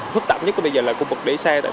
thức tạp nhất của bây giờ là khu vực để xe